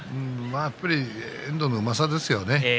やっぱり遠藤のうまさですよね